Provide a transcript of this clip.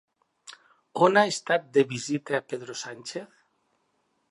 On ha estat de visita Pedro Sánchez?